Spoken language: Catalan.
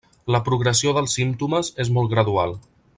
La progressió dels símptomes és molt gradual.